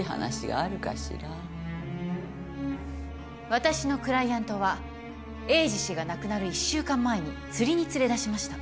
私のクライアントは栄治氏が亡くなる１週間前に釣りに連れ出しました。